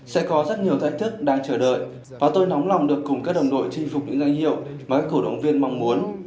sẽ có rất nhiều thách thức đang chờ đợi và tôi nóng lòng được cùng các đồng đội chinh phục những danh hiệu mà các cổ động viên mong muốn